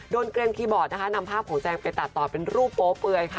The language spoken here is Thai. โดนเกร็มคีย์บอร์ดนำภาพแต่งไปตัดต่อเป็นรูปโป๊ป